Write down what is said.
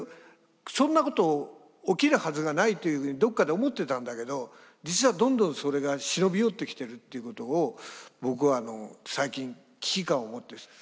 そんなことを起きるはずがないというふうにどこかで思ってたんだけど実はどんどんそれが忍び寄ってきているっていうことを僕は最近危機感を持って。